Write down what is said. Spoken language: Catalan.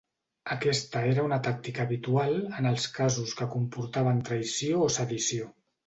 Aquesta era una tàctica habitual en els casos que comportaven traïció o sedició.